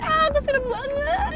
aku seru banget